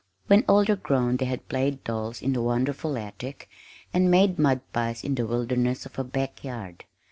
When older grown they had played dolls in the wonderful attic, and made mud pies in the wilderness of a back yard.